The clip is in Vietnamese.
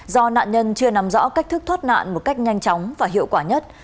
do nạn nhân chưa nắm rõ cách thức thoát nạn một cách nhanh chóng và hiệu quả nhất